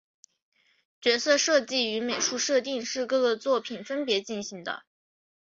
角色设计与美术设定是各个作品分别进行的。